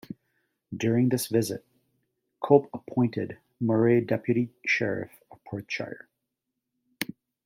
During this visit, Cope appointed Murray Deputy-Sheriff of Perthshire.